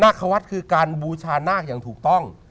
ควัตรคือการบูชานาคอย่างถูกต้อง